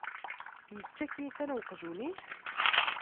Yečča-k yakan uqjun-ik?